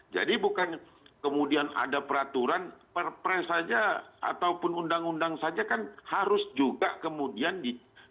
jadi bukan kemudian ada peraturan perpres saja ataupun undang undang saja kan harus juga kemudian dibuat dulu perundangan